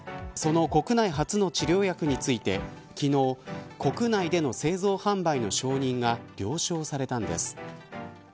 その国内初の治療薬について昨日、国内での製造販売の承認が了承されたんです。